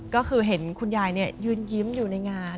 ก็คือเห็นคุณยายยืนยิ้มอยู่ในงาน